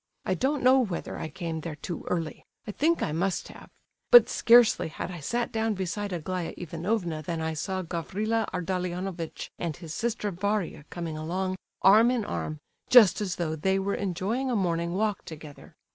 I don't know whether I came there too early, I think I must have; but scarcely had I sat down beside Aglaya Ivanovna than I saw Gavrila Ardalionovitch and his sister Varia coming along, arm in arm, just as though they were enjoying a morning walk together.